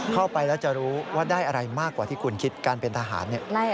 เข้าไปแล้วจะรู้ว่าได้อะไรมากกว่าที่คุณคิดการเป็นทหาร